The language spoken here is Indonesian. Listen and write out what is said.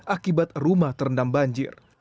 akibat rumah terendam banjir